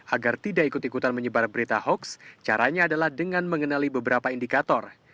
agar tidak ikut ikutan menyebar berita hoax caranya adalah dengan mengenali beberapa indikator